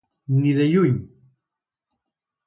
Ni de lluny.